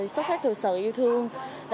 số khác thực sự yêu thương